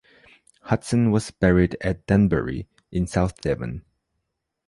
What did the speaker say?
Hudson was buried at Denbury in South Devon.